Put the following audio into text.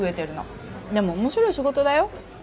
でも面白い仕事だよ。